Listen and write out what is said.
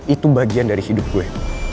itu bagian dari hidup gue